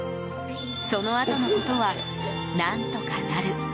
そのあとのことは何とかなる。